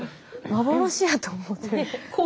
幻やと思うてる。